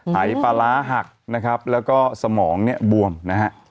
หายปลาร้าหักนะครับแล้วก็สมองเนี่ยบวมนะฮะ